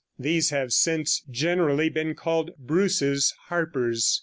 These have since generally been called "Bruce's Harpers."